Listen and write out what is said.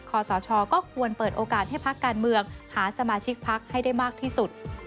ขอสชก็ควรเปิดโอกาสให้พักการเมืองหาสมาชิกพักให้ได้มากที่สุด